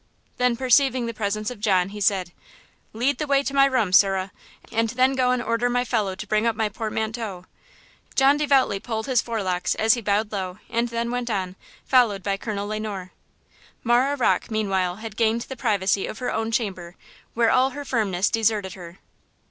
Then, perceiving the presence of John, he said: "Lead the way to my room, sirrah, and then go and order my fellow to bring up my portmanteau." John devoutly pulled his forelocks as he bowed low and then went on, followed by Colonel Le Noir. Marah Rocke meanwhile had gained the privacy of her own chamber, where all her firmness deserted her.